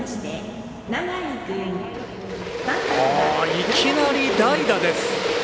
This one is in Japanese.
いきなり代打です。